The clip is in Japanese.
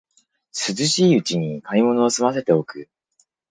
涼しいうちに買い物をすませておく